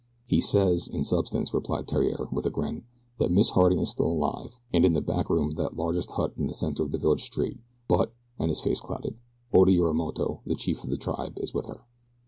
"He says, in substance," replied Theriere, with a grin, "that Miss Harding is still alive, and in the back room of that largest hut in the center of the village street; but," and his face clouded, "Oda Yorimoto, the chief of the tribe, is with her."